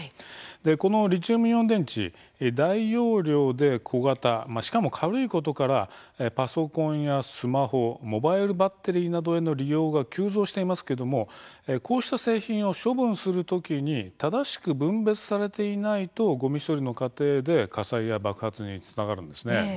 このリチウムイオン電池大容量で小型しかも軽いことからパソコンやスマホモバイルバッテリーなどへの利用が急増していますけれどもこうした製品を処分する時に正しく分別されていないとごみ処理の過程で火災や爆発につながるんです。